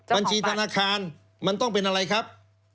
บัญชีธนาคารมันต้องเป็นอะไรครับ